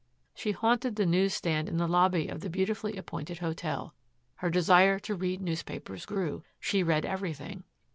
She haunted the news stand in the lobby of the beautifully appointed hotel. Her desire to read newspapers grew. She read everything.